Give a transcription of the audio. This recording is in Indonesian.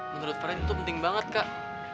menurut fren itu penting banget kak